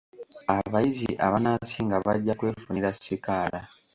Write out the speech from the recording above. Abayizi abanaasinga bajja kwefunira sikaala.